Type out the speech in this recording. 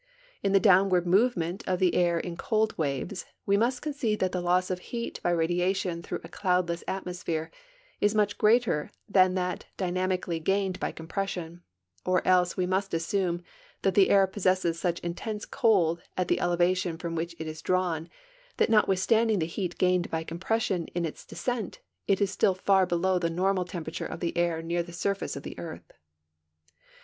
In the downward movement of the air in cold waves we must concede that the loss of heat by radiation through a cloudless atmosphere is much greater than that dynamically gained by compression, or else we must assume that the air possesses such intense cold at the elevation from which it is drawn that not withstanding the heat gained by compression in its descent it is still far below the normal temperature of the air near the surface of the earth.